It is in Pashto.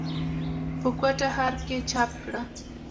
پۀ کوټه ښارکښې چاپ کړه ۔